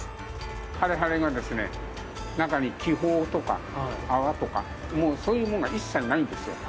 ハレハレが中に気泡とか泡とかもう、そういうものが一切ないんですよ。